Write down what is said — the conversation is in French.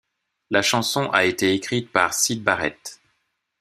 La chanson a été écrite par Syd Barrett.